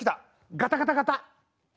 ガタガタガタッ！